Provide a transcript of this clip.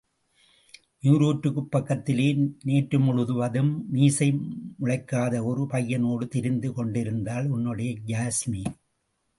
நீரூற்றுக்குப் பக்கத்திலே நேற்று முழுவதும் மீசை முளைக்காத ஒரு பையனோடு திரிந்து கொண்டிருந்தாள் உன்னுடைய யாஸ்மி!